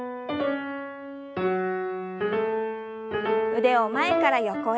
腕を前から横へ。